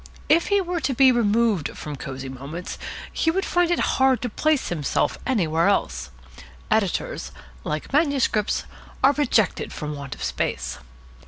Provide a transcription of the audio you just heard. If he were to be removed from Cosy Moments he would find it hard to place himself anywhere else. Editors, like manuscripts, are rejected from want of space.